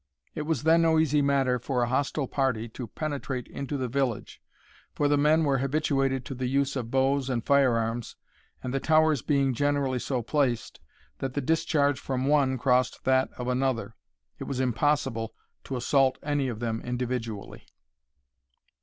It was then no easy matter for a hostile party to penetrate into the village, for the men were habituated to the use of bows and fire arms, and the towers being generally so placed, that the discharge from one crossed that of another, it was impossible to assault any of them individually.